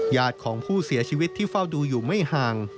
ญาติของผู้เสียชีวิตที่เฝ้าดูอยู่ไม่ห่าง